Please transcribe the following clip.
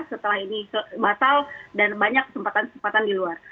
setelah ini batal dan banyak kesempatan kesempatan di luar